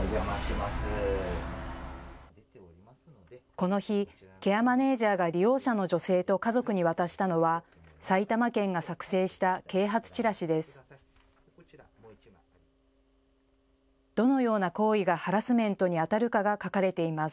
この日、ケアマネージャーが利用者の女性と家族に渡したのは埼玉県が作成した啓発チラシです。